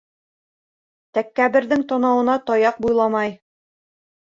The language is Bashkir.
Тәкәбберҙең танауына таяҡ буйламай.